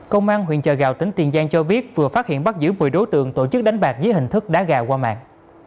công an huyện chợ gạo tỉnh tiền giang cho biết vừa phát hiện bắt giữ một mươi đối tượng tổ chức đánh bạc dưới hình thức đá gà qua mạng